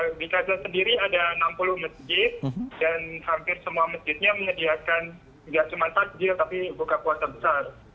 di kaza sendiri ada enam puluh masjid dan hampir semua masjidnya menyediakan nggak cuma takjil tapi buka puasa besar